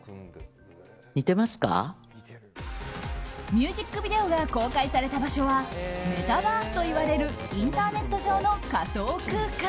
ミュージックビデオが公開された場所はメタバースといわれるインターネット上の仮想空間。